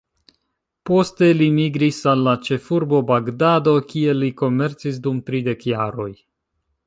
Poste li migris al la ĉefurbo Bagdado, kie li komercis dum tridek jaroj.